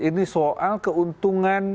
ini soal keuntungan